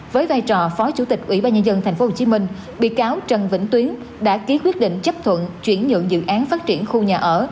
với vai trò phó chủ tịch ủy ban nhân dân tp hcm bị cáo trần vĩnh tuyến đã ký quyết định chấp thuận chuyển nhượng dự án phát triển khu nhà ở